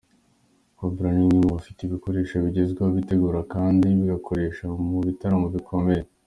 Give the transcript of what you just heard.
Cobra ni umwe mu bafite ibikoresho bigezweho bitegura kandi bigakoreshwa mu bitaramo bikomeye.